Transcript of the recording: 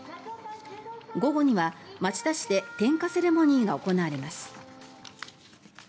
午後には町田市で点火セレモニーが行われます。